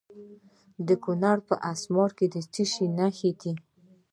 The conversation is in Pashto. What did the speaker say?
د کونړ په اسمار کې د څه شي نښې دي؟